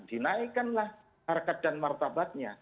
dinaikkanlah harga dan martabatnya